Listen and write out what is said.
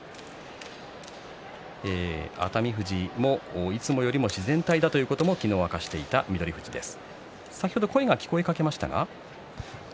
熱海富士もいつもよりも自然体だということを昨日、明かしていた翠富士です。